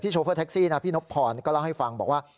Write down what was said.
โชเฟอร์แท็กซี่นะพี่นบพรก็เล่าให้ฟังบอกว่า